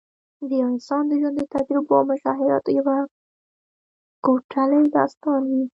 د یو انسان د ژوند د تجربو او مشاهداتو یو کوټلی داستان وي.